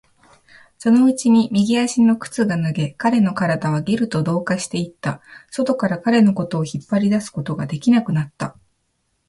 そのうちに右足の靴が脱げ、彼の体はゲルと同化していった。外から彼のことを引っ張り出すことができなくなった。